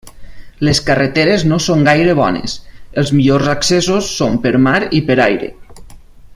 Les carreteres no són gaire bones; els millors accessos són per mar i per aire.